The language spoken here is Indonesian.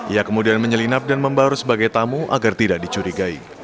ia kemudian menyelinap dan membaru sebagai tamu agar tidak dicurigai